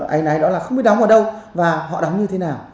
anh ấy đó là không biết đóng ở đâu và họ đóng như thế nào